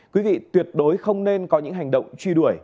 quý vị tuyệt đối không nên có những hành động truy đuổi